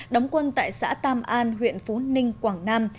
đóng quân tại xã tam an huyện phú ninh quảng nam